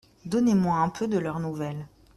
Donnez-moi un peu de leurs nouvelles.